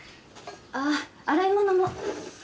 あっ洗い物も。